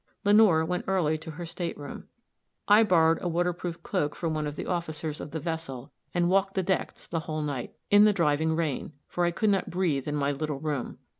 Lenore went early to her state room. I then borrowed a waterproof cloak from one of the officers of the vessel, and walked the decks the whole night, in the driving rain, for I could not breathe in my little room.